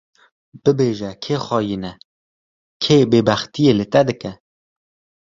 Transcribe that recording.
Bibêje kî xayîn e, kê bêbextî li te dike